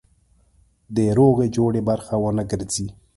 د روغې جوړې برخه ونه ګرځي.